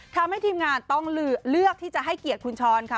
ทำให้ทีมงานต้องเลือกที่จะให้เกียรติคุณช้อนค่ะ